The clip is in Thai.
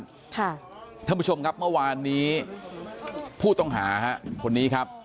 ท่านผู้ชมครับเมื่อวานนี้ผู้ต้องหาฮะคนนี้ครับ